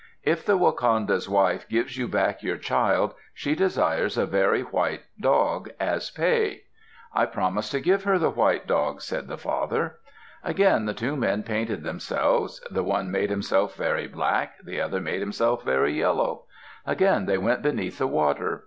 "If the wakanda's wife gives you back your child, she desires a very white dog as pay." "I promise to give her the white dog," said the father. Again the two men painted themselves; the one made himself very black, the other made himself very yellow. Again they went beneath the water.